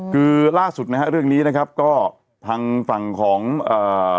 คือล่าสุดนะฮะเรื่องนี้นะครับก็ทางฝั่งของเอ่อ